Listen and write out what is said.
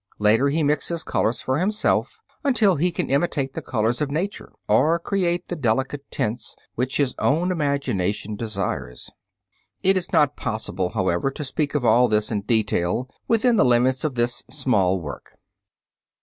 Later he mixes colors for himself until he can imitate the colors of nature, or create the delicate tints which his own imagination desires. It is not possible, however, to speak of all this in detail within the limits of this small work.